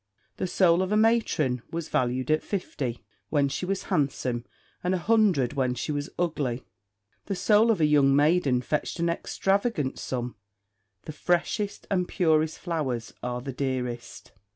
The soul of a matron was valued at fifty, when she was handsome, and a hundred when she was ugly. The soul of a young maiden fetched an extravagant sum; the freshest and purest flowers are the dearest.